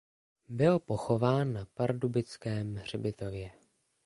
Byl pochován na pardubickém hřbitově.